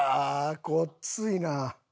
ごっついな。